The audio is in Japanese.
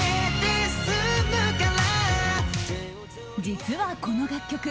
実はこの楽曲